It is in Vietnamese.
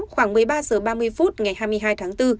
khoảng một mươi ba h ba mươi phút ngày hai mươi hai tháng bốn